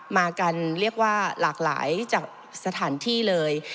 มากันเรียกว่าหลากหลายจากสถานที่เลย